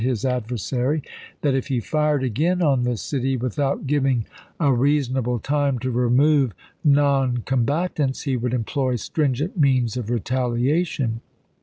his adversary that if he fired again on the city without giving a reasonable time to remove non ^xxvm0,1, combatants he would employ " stringent means of pp. 58, 59. retaliation."